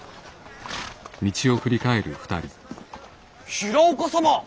平岡様！